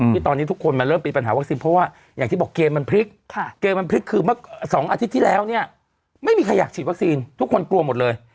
ที่ตอนนี้ทุกคนมันเริ่มมีปัญหาวัคซีนเพราะว่าอย่างที่บอกเกมมันพลิกเกมมันพลิกคือเมื่อ๒อาทิตย์ที่แล้วเนี่ยไม่มีใครอยากฉีดวัคซีนทุกคนกลัวหมดเลย